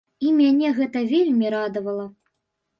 І мяне гэта вельмі радавала.